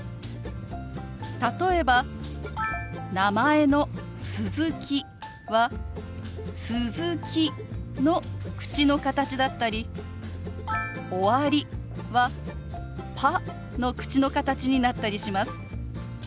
例えば名前の「鈴木」は「すずき」の口の形だったり「終わり」は「パ」の口の形になったりします。